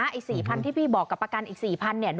เอาอีก๔๐๐๐บาทที่พี่บอกกับประกันอีก๔๐๐๐บาทเนี่ย